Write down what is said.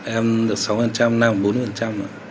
em được sáu mươi năm bốn mươi nữa